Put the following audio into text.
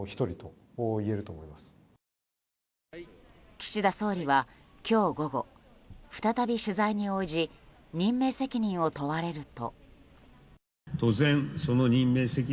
岸田総理は今日午後、再び取材に応じ任命責任を問われると。